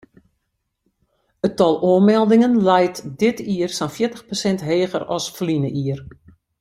It tal oanmeldingen leit dit jier sa'n fjirtich prosint heger as ferline jier.